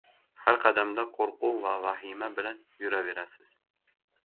Har qadamda qoʻrquv va vahima bilan yuraverasiz.